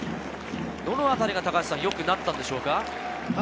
どのあたりが良くなったんでしょうか？